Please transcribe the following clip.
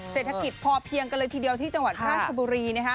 เศรษฐกิจพอเพียงกันเลยทีเดียวที่จังหวัดราชบุรีนะฮะ